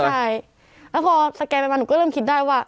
ใช่แล้วพอสแกนไปมาหนูก็เริ่มคิดได้ว่า